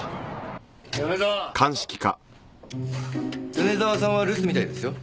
米沢さんは留守みたいですよ。